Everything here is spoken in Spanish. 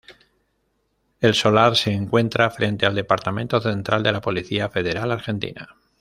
El solar se encuentra frente al Departamento Central de la Policía Federal Argentina.